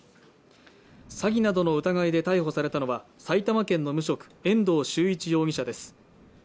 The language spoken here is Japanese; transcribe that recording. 詐欺などの疑いで逮捕されたのは埼玉県の無職遠藤修一容疑者です